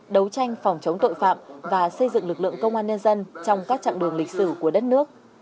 đấu tranh phòng chống tội phạm và xây dựng lực lượng công an nhân dân trong các chặng đường lịch sử của đất nước